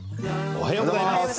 おはようございます。